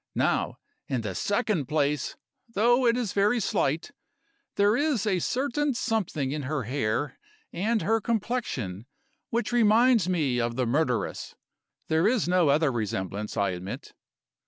Now in the second place though it is very slight, there is a certain something in her hair and her complexion which reminds me of the murderess: there is no other resemblance, I admit.